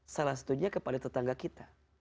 salah satunya kepada tetangga kita